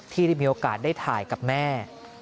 ที่ได้มีโอกาสได้ถ่ายกับแม่